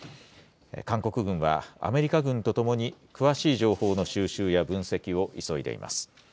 韓国軍は、アメリカ軍と共に詳しい情報の収集や分析を急いでいます。